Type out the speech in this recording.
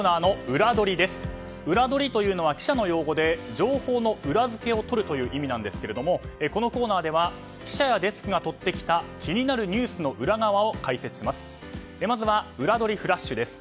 裏取りというのは記者の用語で情報の裏付けを取るという意味なんですけれどもこのコーナーでは記者やデスクがとってきた気になるニュースの裏側を解説します。